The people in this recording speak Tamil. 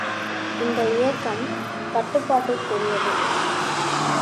இந்த இயக்கம் கட்டுப்பாட்டிற்குரியது.